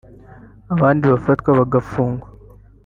abandi bagafatwa bagafungwa